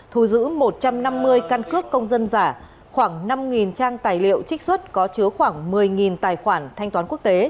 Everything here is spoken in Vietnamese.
thu giữ một trăm năm mươi căn cước công dân giả khoảng năm trang tài liệu trích xuất có chứa khoảng một mươi tài khoản thanh toán quốc tế